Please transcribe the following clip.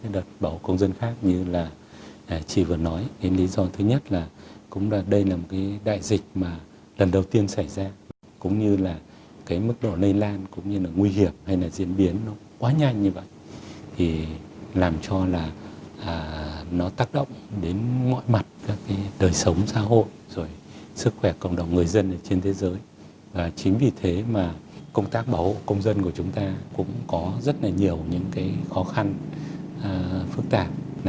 đối với công tác bảo hộ công dân của chúng ta cũng có rất nhiều khó khăn phức tạp